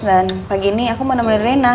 dan pagi ini aku mau nemenin rena